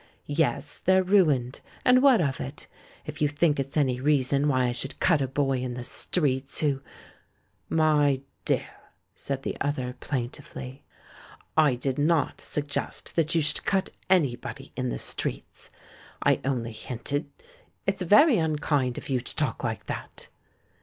Yes, they're ruined — and what of it? If you think it's any reason why I should cut a boy in the streets who " "My dear," said the other, plaintively, "I did not suggest that you should cut anybody in the streets. I only hinted — It's very unkind of you to talk like that."